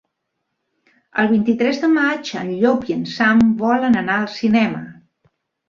El vint-i-tres de maig en Llop i en Sam volen anar al cinema.